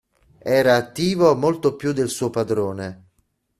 Era attivo molto più del suo padrone.